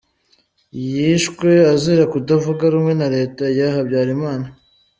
Yishwe azira kutavuga rumwe na Leta ya Habyarimana.